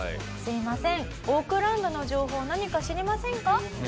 すいませんオークランドの情報を何か知りませんか？